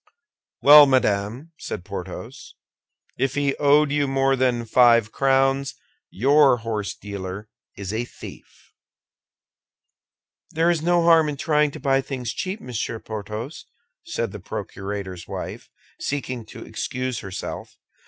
"Well, madame," said Porthos, "if he owed you more than five crowns, your horsedealer is a thief." "There is no harm in trying to buy things cheap, Monsieur Porthos," said the procurator's wife, seeking to excuse herself.